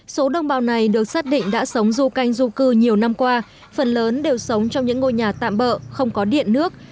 số đồng bào này được xác định đã sống du canh du cư nhiều năm qua phần lớn đều sống trong những ngôi nhà tạm bỡ không có điện nước